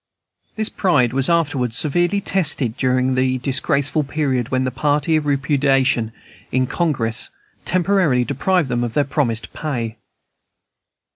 This pride was afterwards severely tested during the disgraceful period when the party of repudiation in Congress temporarily deprived them of their promised pay.